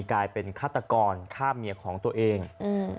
กลายเป็นฆาตกรฆ่าเมียของตัวเองอืม